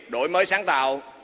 đổi mới sáng tạo